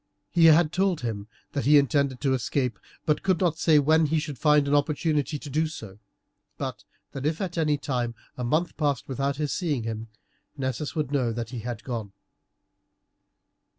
He had told him that he intended to escape, but could not say when he should find an opportunity to do so; but that if at any time a month passed without his seeing him, Nessus would know that he had gone.